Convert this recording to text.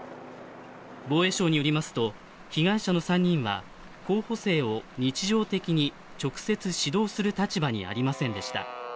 防衛省によりますと被害者の３人は候補生を日常的に直接指導する立場にありませんでした。